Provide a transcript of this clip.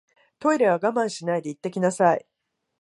トイレは我慢しないで行ってきなさい